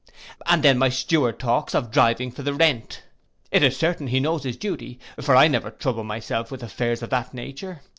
And then my steward talks of driving for the rent: it is certain he knows his duty; for I never trouble myself with affairs of that nature.